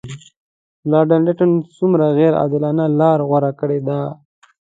لارډ لیټن څومره غیر عادلانه لار غوره کړې ده.